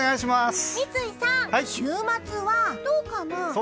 三井さん、週末はどうかな？